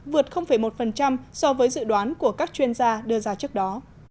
vượt một so với dự đoán của các chuyên gia đưa ra trước đó